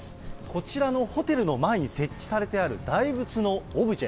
こちらのホテルの前に設置されてある大仏のオブジェ。